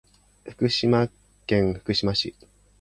福島県福島市